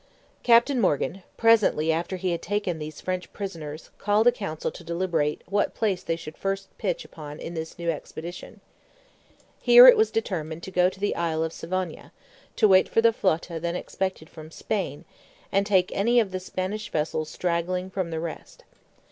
Captain Morgan, presently after he had taken these French prisoners, called a council to deliberate what place they should first pitch upon in this new expedition. Here it was determined to go to the isle of Savona, to wait for the flota then expected from Spain, and take any of the Spanish vessels straggling from the rest.